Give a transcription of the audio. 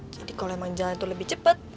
jadi kalau emang jalan tuh lebih cepet